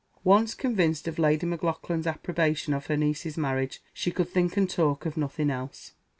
Once convinced of Lady Maclaughlan's approbation of her niece's marriage she could think and talk of nothing else.